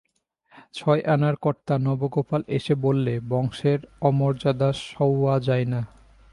ছয়-আনার কর্তা নবগোপাল এসে বললে, বংশের অমর্যাদা সওয়া যায় না।